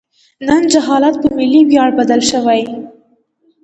نن جهالت په ملي ویاړ بدل شوی.